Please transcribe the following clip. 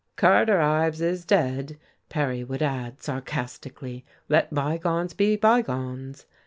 "Carter Ives is dead," Perry would add, sarcastically, "let bygones be bygones."